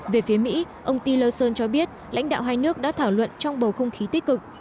về phía mỹ ông tillerson cho biết lãnh đạo hai nước đã thảo luận trong bầu không khí tích cực